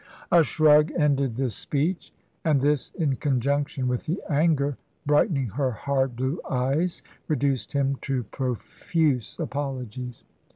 A shrug ended this speech, and this, in conjunction with the anger brightening her hard blue eyes, reduced him to profuse apologies.